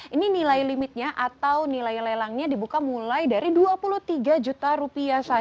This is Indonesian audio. ini nilai limitnya atau nilai lelangnya dibuka mulai dari dua puluh tiga juta rupiah